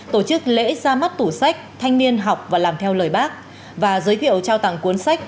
tổ chức lễ ra mắt tủ sách thanh niên học và làm theo lời bác và giới thiệu trao tặng cuốn sách